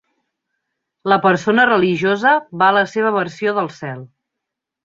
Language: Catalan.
La persona religiosa va a la seva versió del cel.